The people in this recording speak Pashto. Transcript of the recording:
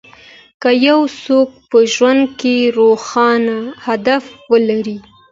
که يو څوک په ژوند کې روښانه هدف ولري.